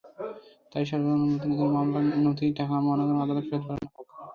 তাই সরকারের অনুমোদনের জন্য মামলার নথি ঢাকার মহানগর আদালতে ফেরত পাঠানো হোক।